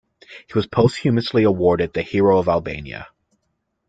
He was posthumously awarded the "Hero of Albania".